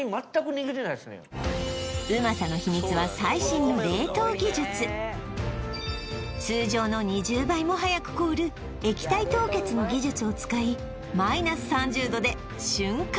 うまさの秘密は通常の２０倍も速く凍る液体凍結の技術を使い−３０℃で瞬間